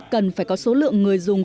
cần phải có số lượng người dùng